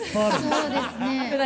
そうですね。